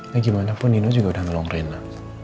ya gimana pun nino juga udah ngelong rena